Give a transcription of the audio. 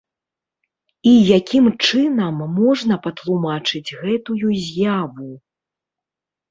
І якім чынам можна патлумачыць гэтую з'яву?